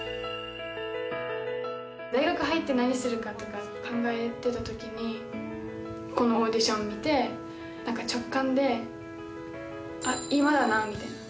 大学に入って何するかって考えてたときにこのオーディション見て、直感であっ、今だなみたいな。